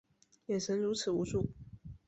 眼神如此无助